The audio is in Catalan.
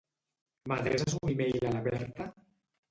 M'adreces un e-mail a la Berta?